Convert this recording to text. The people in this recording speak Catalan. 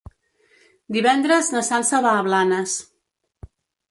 Divendres na Sança va a Blanes.